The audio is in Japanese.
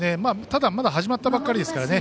ただ、まだ始まったばかりですからね。